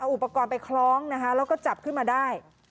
อุปกรณ์ไปคล้องนะคะแล้วก็จับขึ้นมาได้